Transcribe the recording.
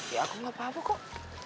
ya aku gak apa apa kok